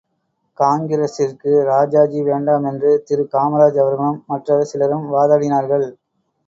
காங்கிரசிற்கு ராஜாஜி வேண்டாம் என்று திரு காமராஜ் அவர்களும் மற்றும் சிலரும் வாதாடினார்கள்.